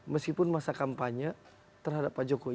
meskipun masa kampanye terhadap pak jokowi